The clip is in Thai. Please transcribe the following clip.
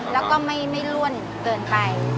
แล้วก็ไม่ล่วนเกินไป